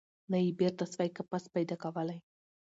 نه یې بیرته سوای قفس پیدا کولای